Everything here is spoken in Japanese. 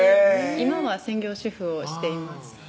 今は専業主婦をしています